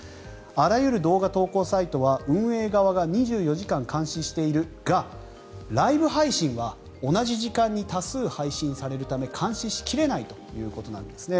あらゆる動画投稿サイトは運営側が２４時間監視しているがライブ配信は同じ時間に多数配信されるため監視しきれないということなんですね。